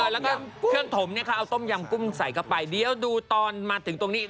แล้วก็เครื่องถมเนี่ยเขาเอาต้มยำกุ้งใส่เข้าไปเดี๋ยวดูตอนมาถึงตรงนี้